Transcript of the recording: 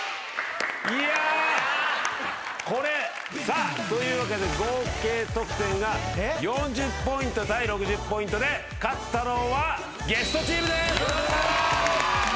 さあというわけで合計得点が４０ポイント対６０ポイントで勝ったのはゲストチームです。